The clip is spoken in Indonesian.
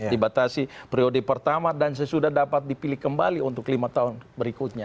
dibatasi priode pertama dan sesudah dapat dipilih kembali untuk lima tahun berikutnya